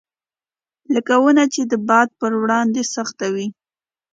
لکه ونه چې د باد پر وړاندې سخت وي.